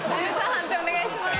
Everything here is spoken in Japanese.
判定お願いします。